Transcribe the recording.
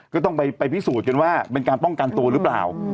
ก็ต้องไปพิสูจน์กันว่าเป็นการป้องกันตัวหรือเปล่า